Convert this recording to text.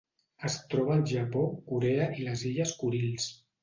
Es troba al Japó, Corea i les Illes Kurils.